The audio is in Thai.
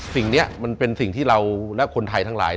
สิ่งนี้มันเป็นสิ่งที่เราและคนไทยทั้งหลาย